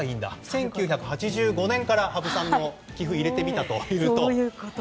１９８５年から羽生さんの棋譜を入れてみたというと。